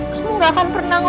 kamu gak akan pernah ngomong